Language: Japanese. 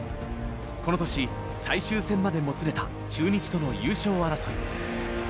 この年最終戦までもつれた中日との優勝争い。